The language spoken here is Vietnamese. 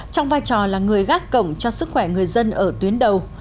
trong vai trò là người gác cổng cho sức khỏe người dân ở tuyến đầu